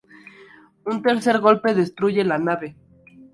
Un tercer golpe destruye la nave.